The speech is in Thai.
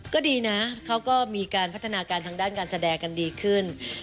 ก็ดีนะเขาก็มีการพัฒนาการทางด้านการแสดงกันดีขึ้น